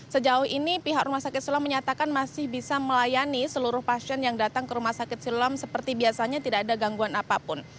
sejauh ini pihak rumah sakit siloam menyatakan masih bisa melayani seluruh pasien yang datang ke rumah sakit siloam seperti biasanya tidak ada gangguan apapun